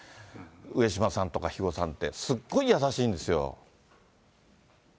上島さんとか肥後さんって、すっごい優しいんですよ。